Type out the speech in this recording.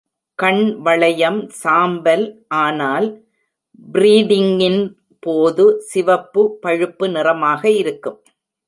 கண் வளையம் சாம்பல் ஆனால் ப்ரீடிங்கின் போது சிவப்பு-பழுப்பு நிறமாக இருக்கும்.